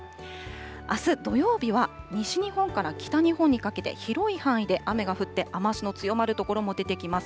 あす土曜日は西日本から北日本にかけて、広い範囲で雨が降って、雨足の強まる所も出てきます。